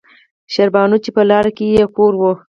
شېربانو چې پۀ لاره کښې يې کور وۀ